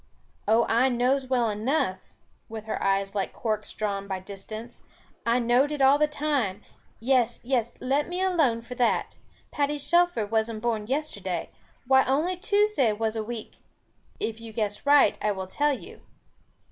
"Oh, I knows well enough " with her eyes like corks drawn by distance "I knowed it all the time. Yes, yes. Let me alone for that. Patty Shelfer wasn't born yesterday. Why only Tuesday was a week " "If you guess right, I will tell you."